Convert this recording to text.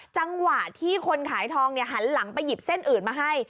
จังหวะที่คนขายทองหันหลังไปหยิบเส้นอื่นมาให้